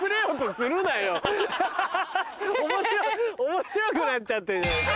面白くなっちゃってんじゃねえかよ。